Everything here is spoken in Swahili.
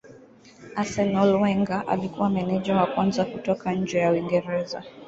Arsenal Wenger alikuwa meneja wa kwanza kutoka nje ya Uingereza.